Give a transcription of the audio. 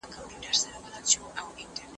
مرسته د زهشوم له خوا کيږي!.